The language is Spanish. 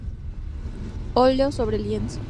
Óleo sobre lienzo.